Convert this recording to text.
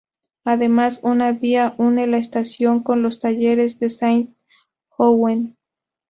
Además, una vía une la estación con los talleres de Saint-Ouen.